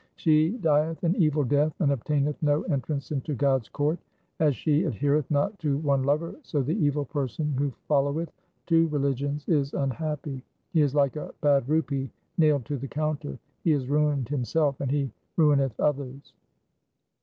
She dieth an evil death, and obtaineth no entrance into God's court. As she adhereth not to one lover, so the evil person who followeth two religions is un happy. He is like a bad rupee nailed to the counter. He is ruined himself and he ruineth others.